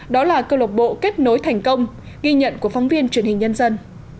đó là câu lộc bộ kết nối thành công ghi nhận của phóng viên truyền hình nhân dân